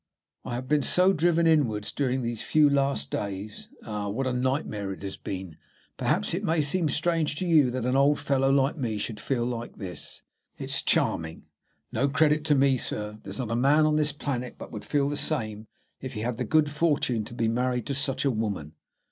"I have been so driven inwards during these few last days! Ah, what a nightmare it has been! Perhaps it may seem strange to you that an old fellow like me should feel like this." "It is charming." "No credit to me, sir! There's not a man on this planet but would feel the same if he had the good fortune to be married to such a woman.